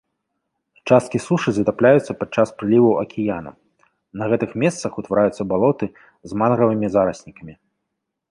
Часткі сушы затапляюцца падчас прыліваў акіянам, на гэтых месцах утвараюцца балоты з мангравымі зараснікамі.